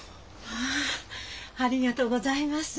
まあありがとうございます！